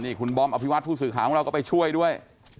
คุณบอมอภิวัตผู้สื่อข่าวของเราก็ไปช่วยด้วย